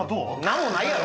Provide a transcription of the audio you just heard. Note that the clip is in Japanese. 何もないよ！